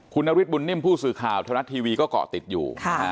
คุณนฤทธบุญนิ่มผู้สื่อข่าวทรัฐทีวีก็เกาะติดอยู่